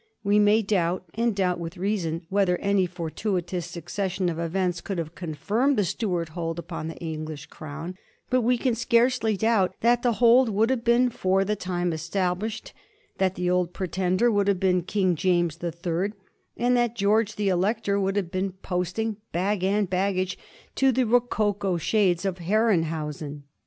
We may doubt, and doubt with reason, whether any fortuitous succession of events could have confirmed the Stuart hold upon the English crown; but we can scarcely doubt that the hold would have been for the time established, that the Old Pretender would have been King James the Third, and that George the Elector would have been posting, bag and baggage, to the rococo shades of Herrenhausen.